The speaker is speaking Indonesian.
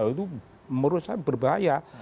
itu menurut saya berbahaya